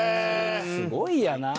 すごいやな。